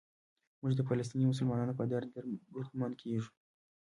موږ د فلسطیني مسلمانانو په درد دردمند کېږو.